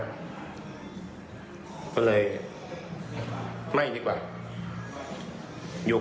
การเงินมันมีฝักมีฝ่ายฮะ